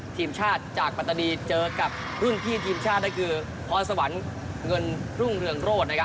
ทีมชาติจากปัตตานีเจอกับรุ่นพี่ทีมชาตินั่นคือพรสวรรค์เงินรุ่งเรืองโรธนะครับ